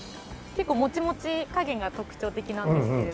結構モチモチ加減が特徴的なんですけれども。